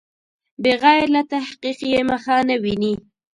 بغیر له تحقیق یې مخه نه ویني.